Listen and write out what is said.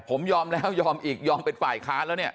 ผมยอมแล้วยอมอีกยอมเป็นฝ่ายค้านแล้วเนี่ย